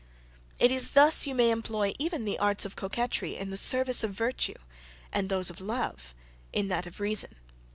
It is thus you may employ even the arts of coquetry in the service of virtue, and those of love in that of reason."